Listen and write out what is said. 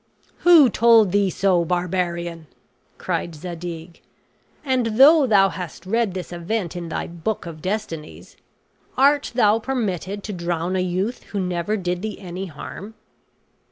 "Who told thee so, barbarian?" cried Zadig; "and though thou hadst read this event in thy Book of Destinies, art thou permitted to drown a youth who never did thee any harm?"